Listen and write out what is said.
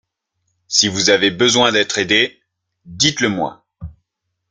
Si vous avez besoin d’être aidé, dites-le-moi.